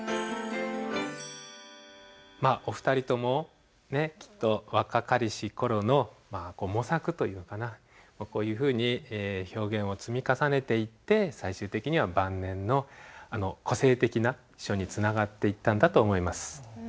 まあお二人ともねきっと若かりし頃のまあ模索というかなこういうふうに表現を積み重ねていって最終的には晩年のあの個性的な書につながっていったんだと思います。